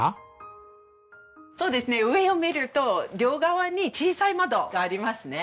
そうですね上を見ると両側に小さい窓がありますね。